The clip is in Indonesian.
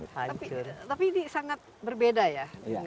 tapi ini sangat berbeda ya